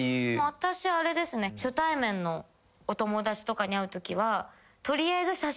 私あれですね初対面のお友達とかに会うときは取りあえず。